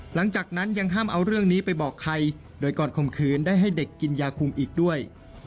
หลังจากนั้นยังห้ามเอาเรื่องนี้ไปบอกใครโดยก่อนข่มขืนได้ให้เด็กกินยาคุมอีกด้วย